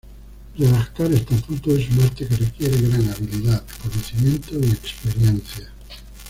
Redactar estatutos es un arte que requiere "gran habilidad, conocimiento y experiencia".